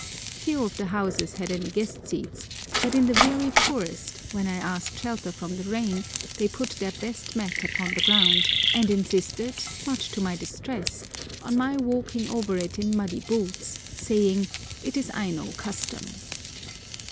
Few of the houses had any guest seats, but in the very poorest, when I asked shelter from the rain, they put their best mat upon the ground, and insisted, much to my distress, on my walking over it in muddy boots, saying, "It is Aino custom."